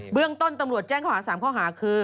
เรื่องต้นตำรวจแจ้งข้อหา๓ข้อหาคือ